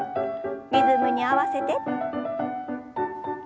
リズムに合わせて。